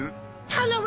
頼む！